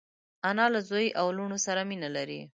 انا له زوی او لوڼو سره مینه لري